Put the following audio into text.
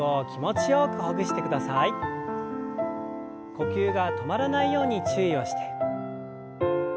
呼吸が止まらないように注意をして。